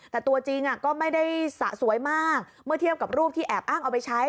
แต่ตัวจริงก็ไม่ได้สะสวยมากเมื่อเทียบกับรูปที่แอบอ้างเอาไปใช้